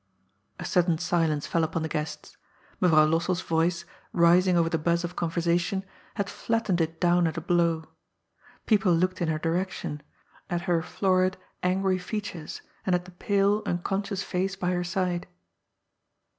A sudden silence fell upon the guests. Mevrouw Los sell's voice, rising over the buzz of conversation, had flat tened it down at a blow. People looked in her direction — at her florid, angry features, and at the pale, unconscious face by her side.